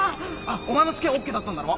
お前も試験オッケーだったんだろ？